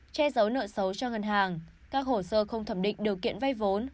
che giấu nợ xấu cho ngân hàng các hồ sơ không thẩm định điều kiện vay vốn